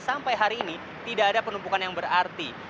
sampai hari ini tidak ada penumpukan yang berarti